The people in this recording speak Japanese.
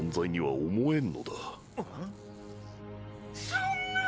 そんな！